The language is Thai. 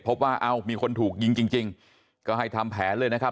ว่าเอ้ามีคนถูกยิงจริงก็ให้ทำแผนเลยนะครับ